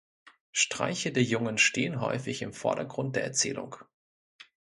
Streiche der Jungen stehen häufig im Vordergrund der Erzählung.